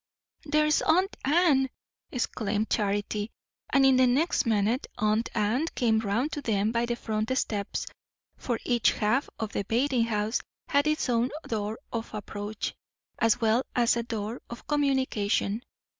"There's aunt Anne!" exclaimed Charity; and in the next minute aunt Anne came round to them by the front steps; for each half of the bathing house had its own door of approach, as well as a door of communication.